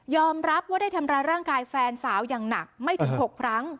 รับว่าได้ทำร้ายร่างกายแฟนสาวอย่างหนักไม่ถึง๖ครั้ง